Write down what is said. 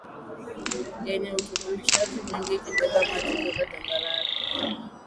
Yenye urutubishaji mwingi ikibeba maji kwenda tambarare